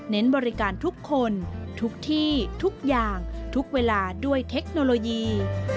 บริการทุกคนทุกที่ทุกอย่างทุกเวลาด้วยเทคโนโลยี